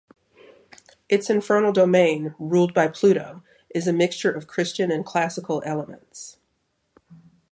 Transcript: Its infernal domain, ruled by Pluto, is a mixture of Christian and classical elements.